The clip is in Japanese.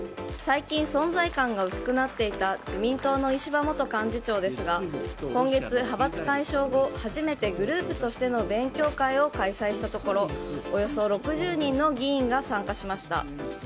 最近、存在感が薄くなっていた自民党の石破元幹事長ですが今月、派閥解消後初めてグループとしての勉強会を開催したところおよそ６０人の議員が参加しました。